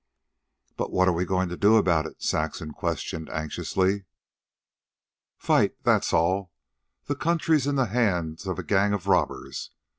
"But what are we going to do about it?" Saxon questioned anxiously. "Fight. That's all. The country's in the hands of a gang of robbers.